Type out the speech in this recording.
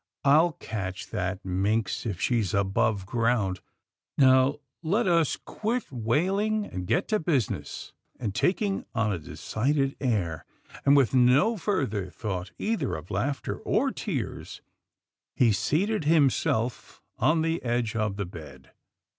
"I'll catch that minx, if she's above ground — now let us quit wailing, and get to business," and, taking on a decided air, and with no further thought either of laughter or tears, he seated himself on the edge of the bed.